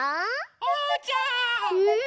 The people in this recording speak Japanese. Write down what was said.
おうちゃん。